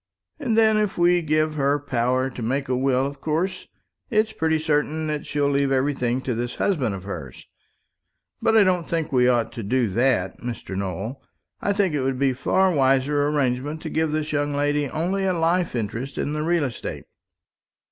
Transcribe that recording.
And then, if we give her power to make a will, of course it's pretty certain that she'll leave everything to this husband of hers. But I don't think we ought to do that, Mr. Nowell. I think it would be a far wiser arrangement to give this young lady only a life interest in the real estate.